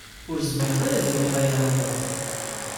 Ur zmireɣ ad iniɣ aya i baba.